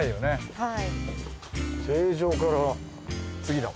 はい。